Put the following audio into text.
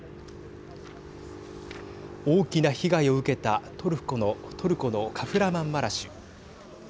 大きな被害を受けたトルコのカフラマンマラシュ。